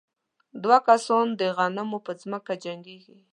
دوه کسان د غنمو په ځمکه جنګېږي.